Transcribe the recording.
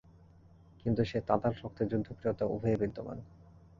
কিন্তু সে তাতার রক্তে যুদ্ধপ্রিয়তা উভয়েই বিদ্যমান।